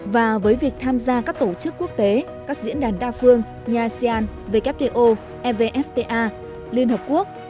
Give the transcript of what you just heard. và với việc tham gia các tổ chức quốc tế các diễn đàn đa phương nhà asean wto evfta liên hợp quốc